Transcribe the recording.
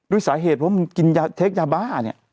ด้วยสาเหตุเพราะมันกินเทคยาบ้า